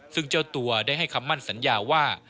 ซึ่งเจ้าตัวได้ให้คำมั่นสัญญาว่า